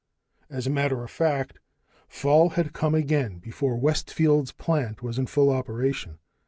As a matter of fact, fall had come again before Westfield's plant was in full operation.